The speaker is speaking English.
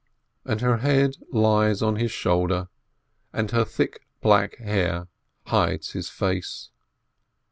And her head lies on his shoulder, and her thick black hair hides his face.